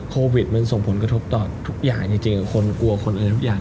โควิดมันส่งผลกระทบต่อทุกอย่างจริงคนกลัวคนอื่นทุกอย่าง